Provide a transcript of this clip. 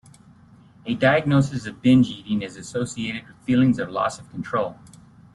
A diagnosis of binge eating is associated with feelings of loss of control.